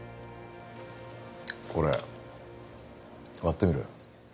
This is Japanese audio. これ割ってみろよ